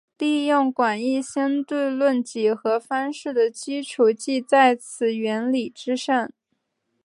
利用广义相对论几何方式的基础即在此原理之上。